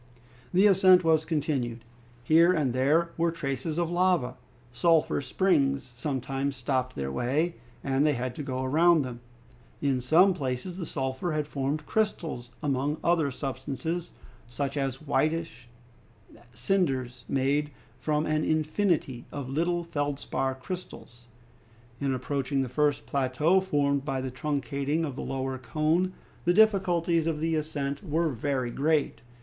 The ascent was continued. Here and there were traces of lava. Sulphur springs sometimes stopped their way, and they had to go round them. In some places the sulphur had formed crystals among other substances, such as whitish cinders made of an infinity of little feldspar crystals. In approaching the first plateau formed by the truncating of the lower cone, the difficulties of the ascent were very great.